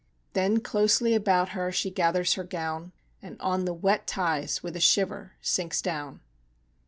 Then closely about her she gathers her gown And on the wet ties with a shiver sinks down.